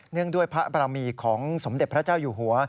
งด้วยพระบรมีของสมเด็จพระเจ้าอยู่หัว